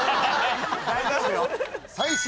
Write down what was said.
・大丈夫よ。